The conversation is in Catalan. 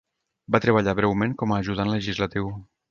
Va treballar breument com a ajudant legislatiu.